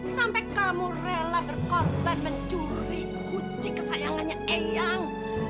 sampai kamu rela berkorban mencuri kunci kesayangannya eyang